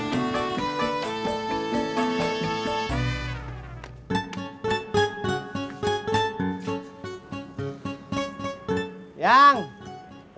ya udah kecil dong lex